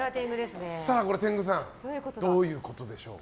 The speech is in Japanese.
天狗さんどういうことでしょうか？